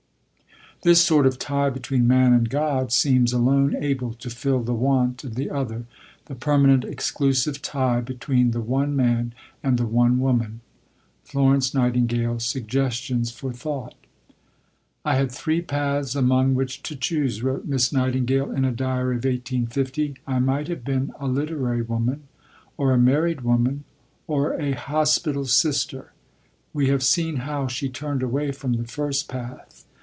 This sort of tie between man and God seems alone able to fill the want of the other, the permanent exclusive tie between the one man and the one woman. FLORENCE NIGHTINGALE: Suggestions for Thought. "I had three paths among which to choose," wrote Miss Nightingale in a diary of 1850: "I might have been a literary woman, or a married woman, or a Hospital Sister." We have seen how she turned away from the first path.